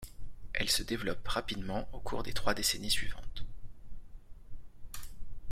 Elle se développe rapidement au cours des trois décennies suivantes.